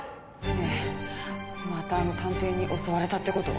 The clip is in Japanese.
ねえまたあの探偵に襲われたってこと？